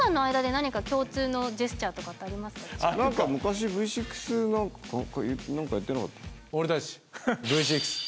何か昔Ｖ６何かやってなかった？